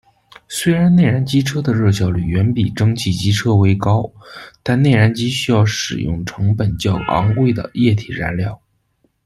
虽然内燃机车的热效率远比蒸汽机车为高，但内燃机需要使用成本较昂贵的液体燃料。